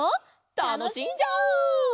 たのしんじゃおう！